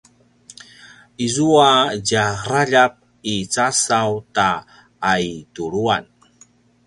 izua djaraljap i casaw ta aituluan